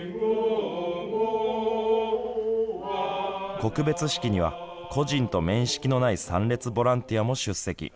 告別式には故人と面識のない参列ボランティアも出席。